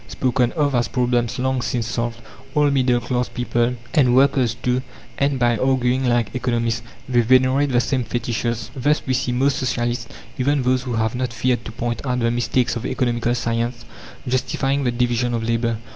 spoken of as problems long since solved, all middle class people, and workers too, end by arguing like economists; they venerate the same fetishes. Thus we see most socialists, even those who have not feared to point out the mistakes of economical science, justifying the division of labour.